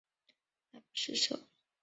唐文宗爱不释手。